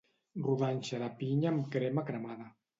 Rodanxa de pinya amb crema cremada